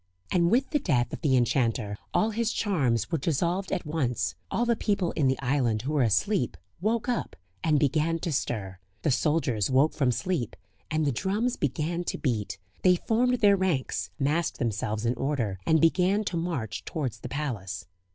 And with the death of the enchanter all his charms were dissolved at once; all the people in the island who were asleep woke up, and began to stir. The soldiers woke from sleep, and the drums began to beat; they formed their ranks, massed themselves in order, and began to march towards the palace.